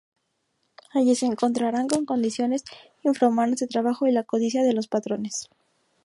Allí se encontrarán con condiciones infrahumanas de trabajo y la codicia de los patrones.